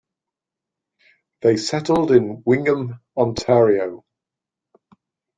They settled in Wingham, Ontario.